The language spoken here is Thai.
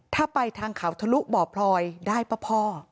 ถ้าไปทางเขาทะลุบ่อพลอยได้ป่ะพ่อ